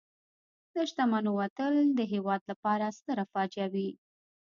د شتمنو وتل د هېواد لپاره ستره فاجعه وي.